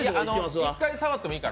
１回触ってもいいから。